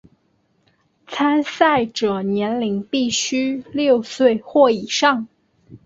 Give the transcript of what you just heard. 参赛者年龄必须六岁或以上。